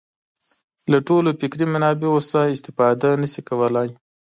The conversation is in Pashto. له ټولو فکري منابعو څخه استفاده نه شي کولای.